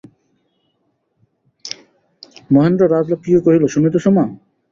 মহেন্দ্র রাজলক্ষ্মীকে কহিল, শুনিতেছ মা?